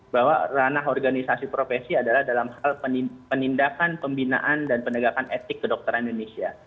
bahwa ranah organisasi profesi adalah dalam hal penindakan pembinaan dan penegakan etik kedokteran indonesia